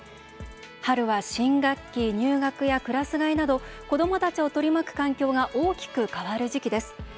春は新学期入学やクラス替えなど子どもたちを取り巻く環境が大きく変わる時期です。